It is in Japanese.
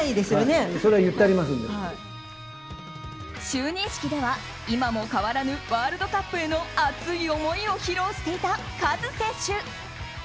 就任式では、今も変わらぬワールドカップへの熱い思いを披露していたカズ選手。